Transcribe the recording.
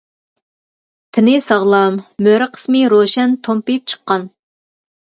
تېنى ساغلام، مۈرە قىسمى روشەن تومپىيىپ چىققان.